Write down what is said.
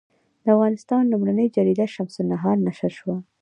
د افغانستان لومړنۍ جریده شمس النهار نشر شوه.